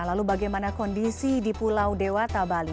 lalu bagaimana kondisi di pulau dewata bali